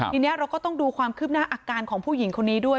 ทีนี้เราก็ต้องดูความคืบหน้าอาการของผู้หญิงคนนี้ด้วย